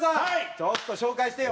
ちょっと紹介してよ。